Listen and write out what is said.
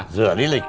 rửa lý lịch